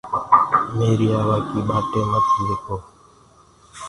ميرآ آوآ ڪي ٻآٽي مت ديکو۔